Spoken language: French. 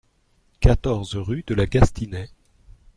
quatorze rue de la Gastinaye